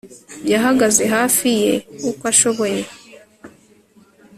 yahagaze hafi ye uko ashoboye